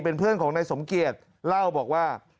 เป็นเพื่อนของนายสมเกียจเล่าบอกว่า